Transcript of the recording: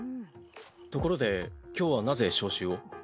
ところで今日はなぜ招集を？